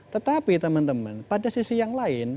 tetapi teman teman pada sisi yang lain